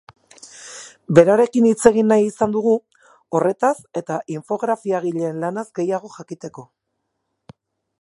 Berarekin hitz egin nahi izan dugu, horretaz eta infografiagileen lanaz gehiago jakiteko.